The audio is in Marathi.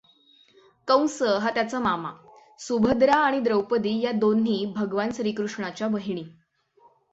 कंस हा त्याचा मामा. सुभद्रा आणि द्रौपदी या दोन्ही भगवान श्रीकृष्णाच्या बहिणी.